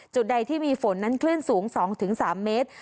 ใดที่มีฝนนั้นคลื่นสูง๒๓เมตร